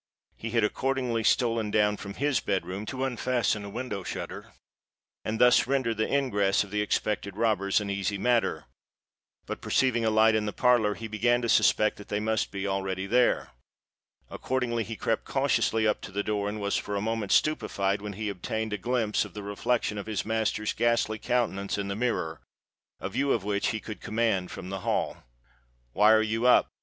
He had accordingly stolen down from his bed room to unfasten a window shutter, and thus render the ingress of the expected robbers an easy matter: but perceiving a light in the parlour, he began to suspect that they must be already there. Accordingly he crept cautiously up to the door, and was for a moment stupified when he obtained a glimpse of the reflection of his master's ghastly countenance in the mirror, a view of which he could command from the hall. "Why are you up?